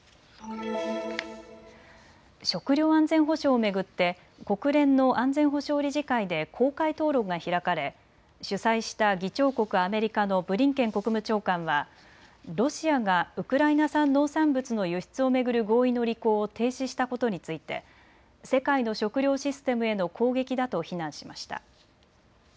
食料安全保障を巡って国連の安全保障理事会で公開討論が開かれ主催した議長国、アメリカのブリンケン国務長官はロシアがウクライナ産農産物の輸出を巡る合意の履行を停止したことについて世界の食料システムへの攻撃だと非難しました。